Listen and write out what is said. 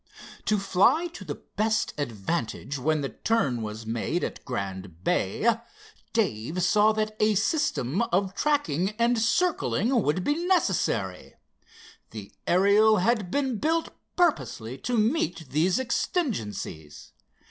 To fly to the best advantage when the turn was made at Grand Bay, Dave saw that a system of tacking and circling would be necessary. The Ariel had been built purposely to meet these exigencies.